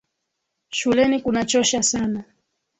Shuleni kunachosha sana.